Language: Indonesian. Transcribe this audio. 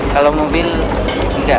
kalau mobil enggak